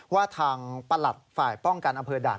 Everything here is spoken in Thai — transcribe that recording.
ว่าทางประหลัดฝ่ายป้องกันอำเภอด่าน